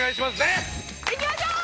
行きましょう！